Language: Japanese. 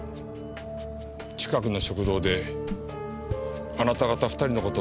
近くの食堂であなた方２人の事を聞きました。